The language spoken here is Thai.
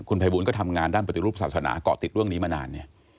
คุณภัยบุญก็ทำงานด้านปฏิรูปศาสนากอติดเรื่องนี้มานาน